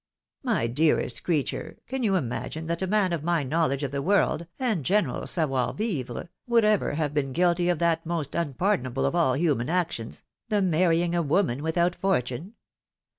" My dearest creature ! can you imagine that a man of my knowledge of the world, and general savoir vivre, would ever have been guilty of that most unpardonable of aU human actions, the marrying a woman without fortune?